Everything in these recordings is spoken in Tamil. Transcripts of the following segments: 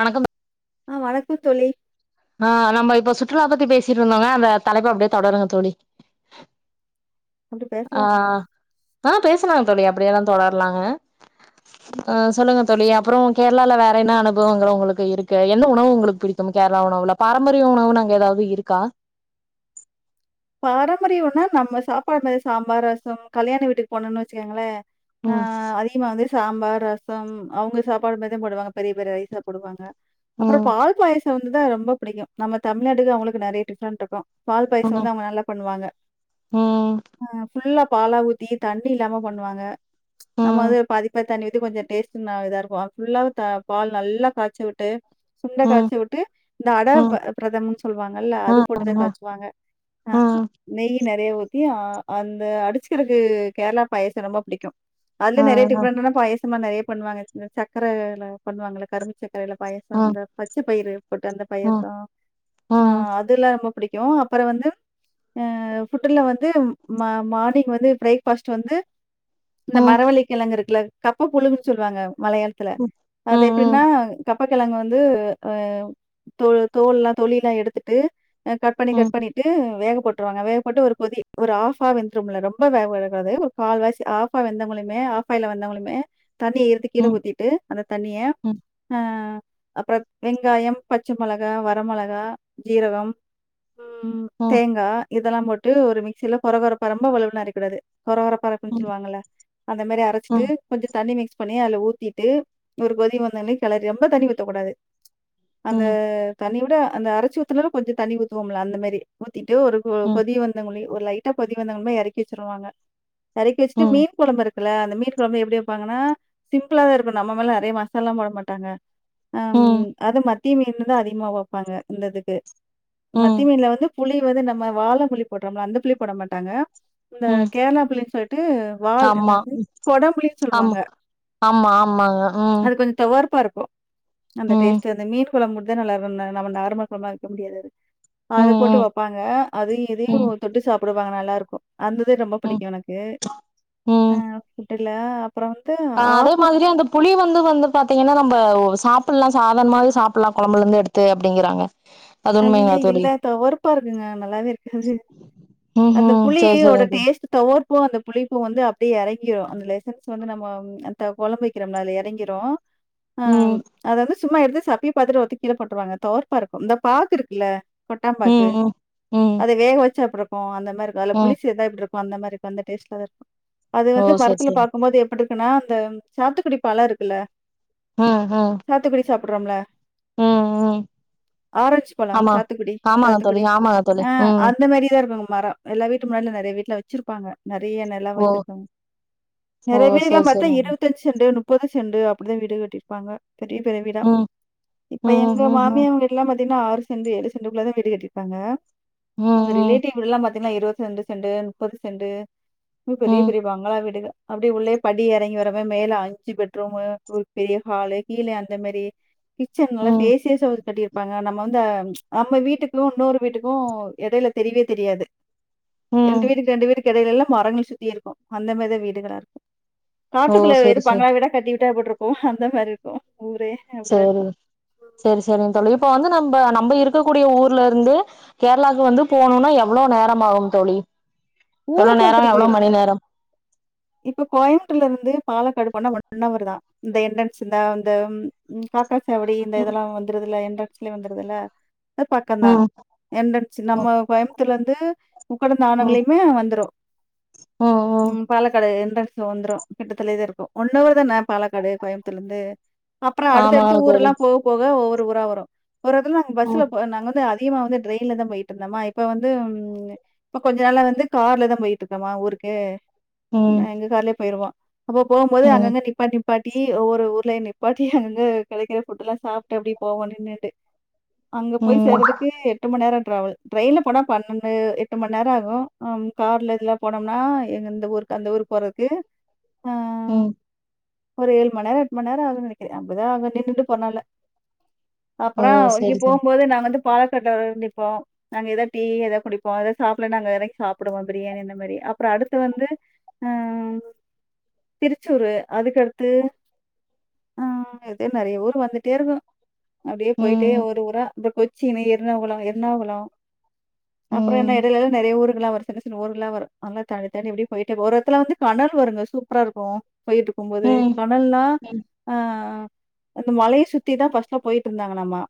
வணக்கம் ஆ வணக்கம் தோழி ஆ நம்ம இப்ப சுற்றுலா பத்தி பேசிட்டு இருந்தோங்க அந்த தலைப்ப அப்டியே தொடருங்க தோழி அப்படி ஆ பேசலாமா? ஆ பேசனாங்க தோழி அப்படியெல்லா தொடரலாங்க ஆ சொல்லுங்க தோழி அப்புற கேரளால வேற என்ன அனுபவங்கள் உங்களுக்கு இருக்கு எந்த உணவு உங்களுக்கு பிடிக் கும் கேரளா உணவுல பாரம்பரிய உணவுனு அங்க ஏதாது இருக்கா பாரம்பரியம்னா நம்ம சாப்பாடுல சாம்பார் ரசம் கல்யாண வீட்டுக்கு போனம்னு வச்சுக்கங்களே ஆ ம் அதி கமா வந்து சாம்பார் ரசம் அவங்க சாப்பாடு மாரிதா போடுவாங்க பெரிய பெரிய ரைஸ்ஸா போடுவாங்க அப்புற ம் பால் பாயசம் வந்துதா ரொம்ப புடிக்கு நம்ம தமிழ்நாட்டுக்கு அவங்களுக்கு நெறய டிஃப்ரெண்ட் இருக்கு பால் க்கு ம் வந்து அவங்க நல்லா பண்ணுவாங்க ம் அ ஃபுல்லா பாலா ஊத்தி தண்ணி இல்லாம பண்ணுவாங்க நம்ம ம் வந்து பாதிப்பாதி தண்ணி ஊத்தி கொஞ்ச டேஸ்ட்ட் இதா இருக்கு ஃபுல்லாவ பால் நல்லா காய்ச்சி விட்டு சுண்டை ம் காய்ச்சு விட்டு இந்த அட ம் பிரதமன் சொல்லுவாங்கல்ல அது ம் போட்டுதா ம் காய்ச்சுவாங்க ஆ ம் நெய் நெறய ஊத்தி அந்த அடிச்சுக்கிறதுக்கு கேரளா பாயச ரொம்ப பிடிக்கு ம் அதுலயே நெறய ம் டிஃப்ரெண்டான பாயசமா நெறைய பண்ணுவாங்க சக்கரல பண்ணுவாங்க கரும்பு சக்கரைல பாயச அந்த பச்சபயிரு போட்டு அந்த ம் பாயச ம் ம் அதுல்லா ரொம்ப பிடிக்கு அப்புற வந்து ஆ ஃபுட்டுல வந்து மா மார்னிங் பிரேக்ஃபாஸ்ட் வந்து இந்த ம் மரவள்ளி கெழங்கு இருக்குல கப்ப கூழுன் சொல்லுவாங்க மலையாளத்துல ம் அது எப்டினா கப் கப்பகெழங்கு வந்து தோ தோல்லா தொலிலா எடுத்துட்டு கட் பண்ணி ம் ம் கட் ட்டு வேகப்பட்டுருவாங்க வேகப்பட்டு ஒரு கொதி ஒரு ஆஃபா வெந்துரும்ல ரொம்ப வேவாது கால்வாசி ஆஃபா வெந்தவங்களுமே ஆஃபாயில வெந்தவங்களுமே தண்ணிய இருத்து கீழ ம் ஊத்திட்டு அந்த தண்ணிய ம் ம் ம் அ அப்பறம் வெங்காயம் பச்ச மெளகா வர மெளகா ஜீரகம் ம் தேங்கா இதெல்லா போட்டு ஒரு மிக்சில கொர கொரப்பா ரொம்ப வலவலன்னு அரைக் கூடாது கொரகொரப்பா இருக்குனு ம் சொல்லுவாங்கள அந்த மாரி அரச்சிட்டு கொஞ்ச தண்ணி மிக்ஸ் பண்ணி அதுல ஊத்திட்டு ஒரு கொதி வந்தோன்னே கெளறி ரொம்ப தண்ணி ஊத்தக்கூடாது அந்த ம் தண்ணி விட அந்த அரைச்சி ஊத்துனோட கொஞ்ச தண்ணி ஊத்துவோம்ல அந்த மாரி ஊத்திட்டு ஒரு கொ கொதி வந்தங்கழி ஒரு லைட்டா கொதி வந்ததுமே எறக்கி வச்சிருவாங்க எறக்கி வச்சுட்டு ம் ம் மீன் கொழம்பு இருக் குல்ல அந்த மீன் கொழம்பு எப்டி வப்பாங்கன்னா சிம்பிளா தா இருக்கு நம்ம மாரிலா நெறைய மசாலா போட மாட்டாங்க ஆ ம் அது மத்தி மீன் தா அதிகமா வப்பாங்க இந்ததுக்கு ம் மத்தி மீன்ல வந்து புளி வந்து நம்ம வாழ புளி போட்றோம்ல அந்த புளி போட மாட்டாங்க இந்த ம். கேரளா புளினு சொல்ட்டு வால் ஆமா என்னது கொடம்புளின்னு ஆமா சொல்லுவாங்க ஆமா ஆமாங்க ம் அது கொஞ்ச தொவர்ப்பா இருக்கு அந்த ம் டேஸ்ட்டு அந்த மீன் கொழம்புக்கு தா நல்லாருக்கு ந நம்ம நார்மல் கொழம்புலா வக்க முடியாது அது ஆ ம் அத போட்டு ம் வப்பாங்க அது இதையு ம் தொட்டு சாப்டுவாங்க நல்லாருக்கு அந்ததே ரொம்ப ம் பிடிக்கு எனக்கு ம் ஆ ஃபுட்டுல அப்புற வந்து ஆ அதே ஆப்பம். மாதிரி அந்த புளி வந்து வந்து பாத்தீங்கன்னா நம்ப சாப்புட்லா சாதரணமாவே சாப்புட்லா கொழம்புலேருந்து எடுத்து அப்டிங்கிறாங்க [unintelligible] ஐய்யய தோழி இல்ல தொவர்ப்பா இருக்குங்க நல்லாவே இருக்காது ம் அந்த ம் சேரி புளியோட சேரிங்க தோழி டேஸ்ட் தொவர்ப்பு அந்த புளிப்பு வந்து அப்டியே எறங்கிரு அந்த லெசன்ஸ் வந்து நம்ம அந்த கொழம்பு வக்கிறம்ல அதுல எறங்கிரு ஆ ம் அத வந்து சும்மா எடுத்து சப்பி பாத்துட்டு ஒத்தி கீழ போட்டுருவாங்க தொவர்ப்பா இருக்கும் இந்த பாக்கு இருக்குல்ல கொட்டாம் பாக்கு ம் ம் ம் அத வேக வச்சா எப்டி இருக்கு அந்த மாரி இருக்கு அதுல ம் புளி சேத்தா எப்டி இருக் கு அந்த மாரி அந்த டேஸ்ட்லதா இருக்கு அது ஓ வந்து சேரி மரத்துல சேரி பாக்கும்போது எப்டிருக் குனா அந்த சாத்துக்குடி பழ இருக்குல்ல ம் ம் சாத்துக்குடி சாப்புட்றோம்ல ம் ம் ஆரஞ் பழ ஆமா சாத்துக்குடி ஆமாங்க தோழி சாத்துக்குடி ஆமாங்க தோழி ஆ ஆ ம் அந்த மாரி தா இருக்கு அந்த மர எல்லா வீட்டு முன்னாடிலா நெறைய வீட்ல வச்சிருப்பாங்க நெறைய நெல ஓ வச்சிருக்கவங்க ஓ நெறைய பேர் எல்லா சேரி பாத்தா சேரிங்க தோழி இருவத்தஞ்சு செண்டு முப்பது செண்டு அப்டிதா வீடு கட்டிருப்பாங்க பெரிய பெரிய வீடா ம் ம் இப்ப எங்க ம் ம் மாமியா வீட் எல்லா பாத்தீங்கனா ஆறு செண்ட் ஏழு செண்டுகுள்ளதா வீடு கட்டியிருப்பாங்க எங்க ம் ரிலேட்டிவ் எல்லா பாத்தீங்களா இருவத் ரெண்டு செண்டு முப்பது செண்டு ம் பெரிய ம் பெரிய பங்களா வீடு க அப்டி உள்ளே படி எறங்கி வரம மேல அஞ்சு பெட்ரூம் ஒரு பெரிய ஹாலு கீழே அந்த மேரி கிச்சன் நல்லா ம் ஸ்பேசியஸா வந் கட்டிருப் பாங்க நம்ம வந்து நம்ம வீட்டுக்கு இன்னொரு வீட்டுக்கு எடையில தெரியவே தெரியாது ரெண்டு ம் வீடுக்கு ரெண்டு வீடுகளுக் எடையில எல்லா மரங்கள் சுத்தி இருக்கு அந்த மேரிதா வீடுகளா இருக்கு ஓ காட்டுக்குள்ள வெறு சேரி சேரி பங்களா வீடா கட்டி விட்டா எட்டி இருக்கு அந்த மாரி இருக்கு ஊரே அப்படிதான் செரி இருக்கும் செரி செரிங்க தோழி இப்ப வந்து நம்ம நம்ப இருக்கக்கூடிய ஊர்ல இருந்து கேரளாக்கு வந்து போணும்னா எவ்ளோ நேர ஆகு தோழி ஊரை எவ்ளோ பொறுத்து நேர இருக்கு எவ்ளோ மணி நேர இப்ப கோயம்புத்தூர்ல இருந்து பாலக்காடு போனா ஒன்னவர் தா இந்த என்டன்சிதா இந்த காக்கஸ் அப்டி இந்த இதெல்லா வந்துருதுல என்ரன்ஸ்லே வந்துருதுல்ல அது பக்கந்தா ம் என்ரன்ஸ் நம்ம கோயமுத்தூர்ல இருந்து உக்கந்த ஆணங்கலையுமே வந்துரு ஓ ம் பாலக்காடு என்ட்ரன்ஸ்ல வந்துரு கிட்டத்துலேதா இருக்கு ஒன்னவர் தான பாலக்காடு கோயமுத்தர்ல இருந்து அப்புற அடுத்தடுத்த ஆமாங்க ஊர் தோழி எல்லா போக போக ஒவ்வொரு ஊரா வரு ஒரு எடத்துல நாங்க ம் பஸ்ல போ நாங்க வந்து திகமா வந்து டிரெயின்ல தா போயிட்டு இருந்தோமா இப்ப வந்து இப்ப கொஞ்ச நாளா வந்து கார்ல தா போயிட்ருக்கமா ஊருக்கு ம் எங்க கார்லயே போயிருவோ அப்ப போம்போது ம் அங்கங்க நிப்பாட்டி நிப்பாட்டி ஒவ்வொரு ஊர்ல நிப்பாட்டி அங்க கிடைக்கிற ஃபுட் எல்லா சாப்டு அப்டி போவோ நின்னுட்டு அங்க போய் ம் சேர்றதுக்கு எட்டு மணி நேரம் டிராவல் ட்ரெயின்ல போனா பன்னெண்டு எட்டு மணி நேர ஆகு கார்ல எல்லா போனோம்னா எந்தெந்த ஊரு அந்த ஊருக் போறதுக்கு அ ம் ஒரு ஏழு மணி நேம் எட்டு மணி நேம் ஆகு நினைக்கிற அப்பதா நின்னுட்டு போனாலு ஓ அப்புற இங்க செரி செரி போம்போது நாங்க வந்து பாலக்காட்ல வ நிப்போம் நாங்க ஏதாவது டீ ஏதாவது குடிப்போ ஏதாவ சாப்பிடல நாங்க எதக்கு சாப்டுவோ பிரியாணி அந்த மாதிரி அப்புற அடுத்து வந்து ம் திருச்சூரு அதுக்கடுத்து ம் இதே மாரி ஊர் வந்துகிட்டே இருக்கும் அப்டியே போயிட்டே ம் ஊரு ஊரா அப்புற கொச்சினு எர்ணாகுளம் எர்ணாகும் அப்புற ம் என்ன இடையில்ல நிறைய ஊரு எல்ல வரு சின்ன சின்ன ஊர் எல்லா வரு எல்லா தாி தாிப்படி போயிட்டு ஒரு ஒரு இடத்துல வந்து டனல் வருங்க சூப்பரா இருக்கு ஏறிட்டு போம் போது ம் டணல்னா ம் ஆ அந்த மலைய சுத்தி தா ஃப்ரஸ்ட்டா போயிட்டு இருந்தாங்கலாமா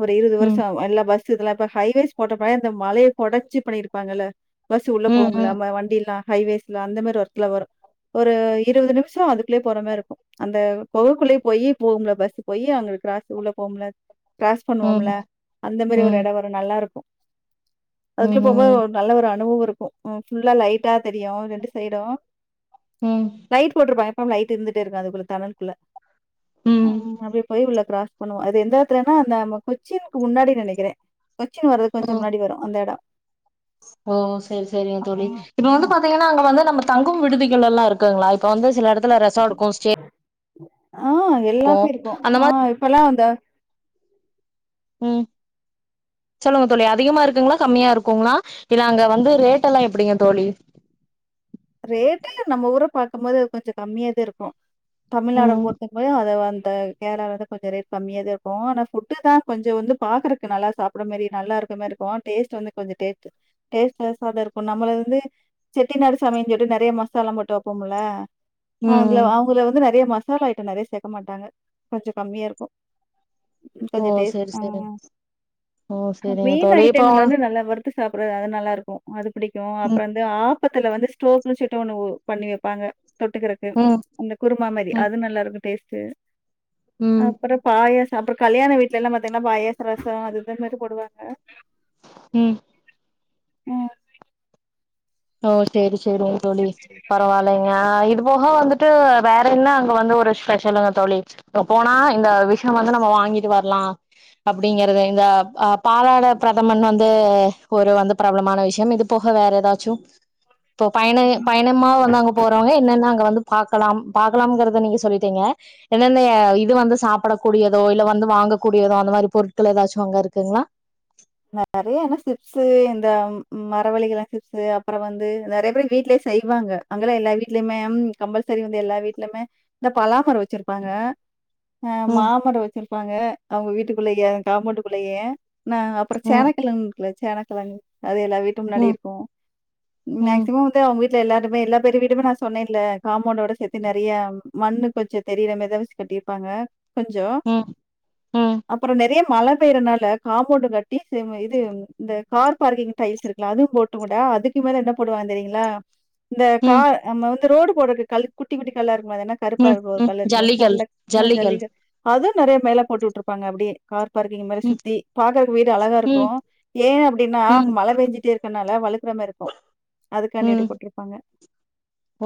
ஒரு இருபது வருஷ ம் எல்லா பஸ் இதெல்லா இப்ப ஹைவேஸ் போட்ட போ இந்த மழைய கொடஞ்சி இது பண்ணியிருப்பாங்கல பஸ் உள்ள ம் ம் போகும்ல வண்டி எல்லா ஹவேஸ்ல அந்த மாரி ஒரத்துல வரு ஒரு இருபது நிமிஷ அதுக்குள்ளயே போற மாரி இருக்கு அந்த குகைக்குள்ளயே போய் போகும்ல பஸ் போய் அவங்களுக்கு கிராஸ் உள்ள போம்ல கிராஸ் ம் ம் பண்ணுவோம்ல அந்த மாதிரி ஒரு இட வரும் நல்லா இருக்கு ம் அதுக்குள்ள போகு ம் போது நல்ல ஒரு அனுபவம் இருக்கும் ஃபுல்லா லைட்டா தெரியு ரெண்டு சைடும் ம் லைட் போட்ருப்பாங்க எப்பமே லைட் இருந்துட்டே இருக்கு அதுக்குள்ள தனல் குள்ள ம் அப்டியே போய் உள்ள கிராஸ் பண்ணுவோம் அது எந்த எடத்துலன்னா அந்த கொச்சினுக்கு முன்னாடி நெனைக்கிறேன் கொச்சின் வர்றது கொஞ்ச முன்னாடி வரும் அந்த எடம் ஓ சேரி சேரிங்க ஆமா. தோழி இப்ப வந்து பாத்தீங்கன்னா அங்க வந்து நம்ம தங்கும் விடுதிகள் எல்லா இருக்குங்களா இப்ப வந்து சில எடத்துல ரெசாட் கோஸ்டே ஆ எல்லாமே இருக்கும் அந்த ஆ மாரி இப்பல்லாம் அந்த ம் சொல்லுங்க தோழி அதிகமா இருக்குங்ளா கம்மியா இருக்குங்ளா இல்ல அங்க வந்து ரேட்டெல்லா எப்படிங்க தோழி ரேட்டு எல்லாம் நம்ம ஊர பாக்கும் போது அது கொஞ்ச கம்மியா தா இருக்கும் தமிழ்நாடு ம் பொறுத்தங்களும் அத [unintelligible] கேரள தா கொஞ்ச ரேட் கம்மியா தான் இருக்கு ஆன ஃபுட்டு தா கொஞ்ச வந்து பாக்குறக்கு நல்லா சாப்புற மாரி நல்லா இருக்க மாரி கோ டேஸ்ட் வந்து கொஞ்ச டேப்பு டேஸ்லஸ்சா தா இருக்கு நம்ம வந்து செட்டி நாடு சமைய கட்டு நெறய மசாலா போட்டு வைப்போம்ல அவங்க ம் அவங்களே வந்து நிறைய மஸ் சாலா அயிட்டம் நிறைய சேக்க மாட்டாங்க கொஞ்சொ கம்மி யாருக்கும் ஓ கொஞ்ச டேஸ்ட் செரி ஆ செரி ஓ செரிங்க மீன் தோழி இப்போ ஐட்டங்க வந்து நல்லா வரு த்து சாப்பறது அது நல்லா இருக்கும் அது புடிக்கும் ம் அப்புற அந்த ஆப்பத்துல வந்து சு டோக்ல சுட்டு ஒண்ணு பண்ணி வைப்பாங்க தொட்டுக்கறக்கு ம் அந்த குருமா மாரி ம் அது நல்லா இருக்கும் டேஸ்டு அ ம் அப்புறம் பாயசம் அப்புறம் கல்யாண வீட்ல எல்லா பாத்தீங்கன்னா பாயாச ரசம் அது இது மாரி போடுவாங்க ம் ம் ஓ சேரி சேரிங் தோழி பரவால் இல்லங்க இது போக வந்துட்டு வேற என்ன அங்க வந்து ஒரு ஸ்பெஷலுங்க தோழி இப்ப போனா இந்த விஷ்யோம் வந்து நம்ம வாங்கிட்டு வர்லாம் அப்டிங்கறது இந்த அ அப் பாலாட பிரதமன் வந்து ஒரு வந்து பிரபலமான விஷயம் இது போக வேற ஏதாச்சு இப்போ பயண பயணமா வந்து அங்க போறவங்க என்னன்ன அங்க வந்து பாக்கலாம் பாக்கலாம் கிறத நீங்க சொல்டீங்க என்னென்ன இது வந்து சாப்ட கூடியதோ இல்ல வந்து வாங்க கூடியதோ அந்த மாரி பொருட்கள் ஏதாச்சு அங்க இருக்குங்களா நெறைய என்ன சிப்ஸு இந்த மரவள்ளி கெழங்கு சிப்ஸு அப்புறோம் வந்து நெறைய பேரு வீட்லயே செய்வாங்க அங்கல்லாம் எல்லா வீட்லயுமே கம்பல் சரி வந்து எல்லா வீட்லயுமே இந்த பலா மர வச்சுருப்பாங்க ஆ ம் மாமர வச்சுருப்பாங்க அவுங்க வீட்டுக்குள்ளயே காம்மோண்டு குள்ளயே நா அப்ப ம் சேனக்கிழங்கு இருக்குல்ல சேனக்கிழங்கு அது எல்லா வீட்டு முன்னாடியு ம் இருக்கும் ம் மேக்ஸிமம் அவுங்க வீட்ல எல்லாருமே எல்லா பேரும் ட்டு அவுங்க வீட்ல எல்லாமே எல்லா பேரு வீடுமே நா சொன்னேல காமௌண்டோட சேத்தி நெறையா மண்ணு கொஞ்சோம் தெரியிற மாரி தா கட்டிருப்பாங்க கொஞ்சோ உம் அப்றோ நெறைய மழ பெயிறனால காமோண்டு கட்டி சி இது இந்த கார் பார்க்கிங் டைல்ஸ் இருக்குல்ல அதுவும் போட்டு கூட அதுக்கு மேல என்ன போட்டு வாங்க தெரியுங்ளா இந்த ம் கார் நம்ம வந்து ரோடு போடுறக்கு கல் குட்டி குட்டி கல்லா இருக்குமே அது என்னா கருப்பா ம் இருக்க ம் கலர்ருகுமே ஜல்லிகள் சரலக் ஜல்லிகள் ஜல்லிகல் அதுவு நெறய மேல போட்டு உட்ருப்பாங்க அப்டியே கார் பாரிங் மேலே ம் சுத்தி பாத வீடு அழகா ம் இருக்கும் ஏன் அப்டின்னா அங்க ம் மழ பெஞ்சிட்டே இருக்கனால வழுக்குற மார் இருக்கும் அது காண்டி அப்டி ம் போட்ருப்பாங்க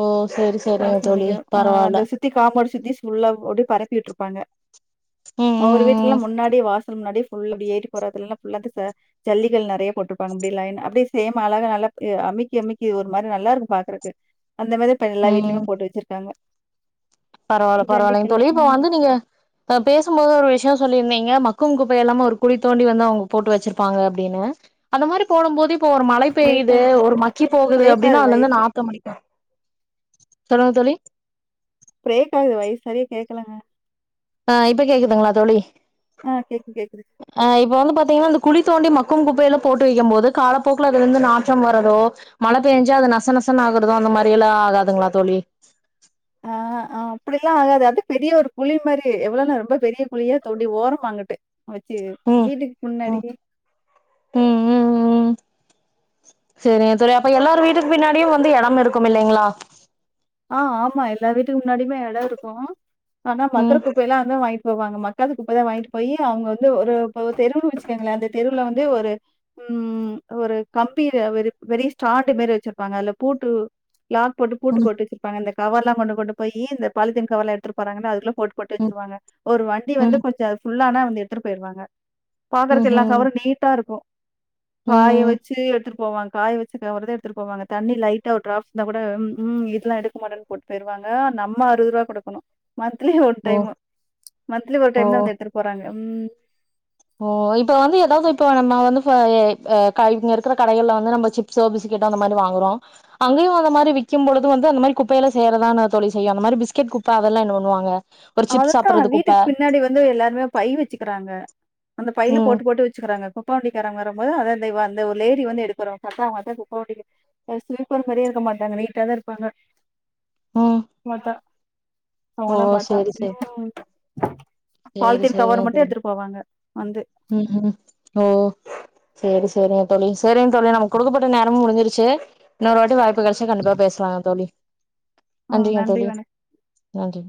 ஓ சேரி சேரிங்க தோழி ஆ அந்த பரவால்ல சுத்தி காமோண்ட் சுத்தி ஃபுல்லா போட் பரப்பி உட்ருப்பாங்க ம் அவுரு வீட்லயு ம் முன்னாடி வாசல் முன்னாடி ஃபுல் அப்டி ஏறி போறதுலல்லா ஃபுல்லாந்து சார் ஜல்லிகல் நெறைய போட்ருப்பாங்க அப்டியே லயன் அப்டியே சேம் அழக நல்லா அமிக்கி அமிக்கி ஒரு மாரி நல்லா இருக்கு பாக்குறக்கு அந்த மாதிரி இப்ப எல்லா ம் வீட்லயுமே போட்டு வச்சிருக்காங்க பரவாயில்ல பரவாயில்லைங்க ஜல்லிக்கல்லு தோழி இப்ப ம் வந்து நீங்க பேசும்போது ஒரு விஷயம் சொல்லியிருந்தீங்க மக்கும் குப்பை எல்லாம் ஒரு குழி தோண்டி வந்து அவுங்க போட்டு வச்சுருப்பாங்க அப்டின்னு அந்த மாரி போடும் போது இப்ப ஒரு மழை பிரேக் பெய்யுது ஆகுது ஒரு மக்கி போகுது பிரேக் ஆகுது அப்டின்னா அதுல இருந்து வாய்ஸு. நாத்தம் அடிக்கு சொல்லுங்க தோழி பிரேக் ஆகுது வாய்ஸ் சரியா கேக் சொல்லுங்க அ இப்போ கேக்குதுங்ளா தோழி ஆ கேக்குது கேக்குது அ இப்ப வந்து பாத்தீங்கன்னா அந்த குழி தோண்டி மக்கும் குப்பையல்ல போட்டு வைக்கும் போது காலப்போக்குல அதுல இருந்து நாத்தம் வர்றதோ மழை பேஞ்சா அது நச நசனு ஆகுறதோ அந்த மாதிரி எல்லா ஆகாதுங்களா தோழி ஆ [inaudible] ஆ அப்டிலாம் ஆகாது அது பெரிய ஒரு குழி மாரி எவ்வளவுன்னா ரொம்ப பெரிய குழியா தோண்டி ஓரமா அங்கிட்டு வச்சு வீட்டுக்கு முன்னாடி உம் உம் உம் உம் சரிங்க தோழி அப்ப எல்லார் வீட்டுக்கு பின்னாடியும் வந்து இடம் இருக்கும் இல்லைங்ளா ஆ ஆமா எல்லா வீட்டுக்கு முன்னாடியுமே எடம் இருக்கும் ஆனா மக்குற ம் குப்பை எல்லாம் அங்க வாங்கி இப்ப வாங்க மக்காத குப்பைலாம் வாங்கிட்டு போய் அவுங்க வந்து ஒரு தெருவுனு வச்சுக்கோங்களேன் அந்த தெருல வந்து ஒரு உம் ஒரு கம்பில வெரி வெரி ஸ்டாண்ட் மாரி வச்சுருப்பாங்க அதுல போட்டு லாக் போட்டு பூட்டு ம் போட்டு வச்சுருப்பாங்க இந்த கவர்லாம் கொண்டு கொண்டு போயி இந்த பாலித்தீன் கவர்ல எடுத்துட்டுப் போறாங்கள அதுக்குள்ள போட்டு போட்டு ம் வச்சிருவாங்க ஒரு வண்டி வந்து ம் கொஞ்சோ அது ஃபுல்லான வந்து எடுத்துட்டு போயிருவாங்க ம் பாக்கறக்கு எல்லா ம் கவறு நீட்டா இருக்கு காய ம் வச்சி எடு த்துட்டு போவாஙா காய வச்சி கவர்ல எடுத்துட்டு போவாங்க தண்ணி லைட்டா ஒரு டிராப் இருந்தா கூட ம்ம் இதெல்லா எடு க்கமா போட்டு போயிருவாங்க நம்ம அறுவது ரூபா குடுக்கணு மன்த்லி ஒரு ஓ டைம் மந்த்லி ஒரு டைம் தா ஓ வந்த எடுத்துட்டு போறாங்க உம் ஓ இப்ப வந்து ஏதாவது இப்போ நம்ம வந்து ப எயே க இங்க இருக்ற கடைகள்ல வந்து நம்ம சிப் சோ பிஸிக்கேட்டோ அந்த மாரி வாங்குறோ அங்கயு அந்த மாரி விக்கும் பொழுது வந்து அந்த மாரி குப்பைலா சேறதான தோழி செய்யு அந்த மாரி பிஸ்கேட் குப்ப அதெல்லா என்ன பண்ணுவாங்க ஒரு சிப்ஸ் அததா சாப்பட்றது குப்ப வீட்டுக்கு பின்னாடி வந்து எல்லாருமே பை வச்சிக்கிறாங்க அந்த பைல ம் போட்டு போட்டு வச்சிக்கிறாங்க போ குப்ப வண்டி காரங்க வரும்போது அது அந்த அந்த வ ஒரு லேடி வந்து எடுக்றோ பத்தவங்க குப்பவண்டி ஸ்லீப்பர் மாறியே இருக்க மாட்டாங்க நீட்டா தா இருப்பாங்க அ ம் வாத்தா ஓ அவங்கெல்லா பாத்தா சேரி சேரி சேரி பாலித்தீன் கவர் சேரிங்க மட்டு தோழி எடுத்துட்டு போவாங்க வந்து ம் உம் ஓ சேரி சேரிங்க தோழி சேரிங்க தோழி நமக்கு குடுக்கப்பட்ட நேரமும் முடிஞ்சிருச்சி இன்னொரு வாட்டி வாய்ப்பு கெடச்சா கண்டிப்பா பேசலாங்க தோழி ம் நன்றி வணக்கம். நன்றி